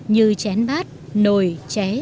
như chén bát nồi ché